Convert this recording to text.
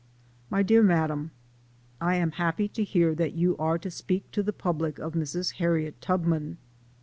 MY DEAR MADAME : I am happy to learn that you are to speak to the public of Mrs. Harriet Tubman.